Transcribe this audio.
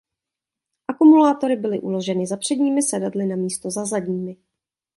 Akumulátory byly uloženy za předními sedadly namísto za zadními.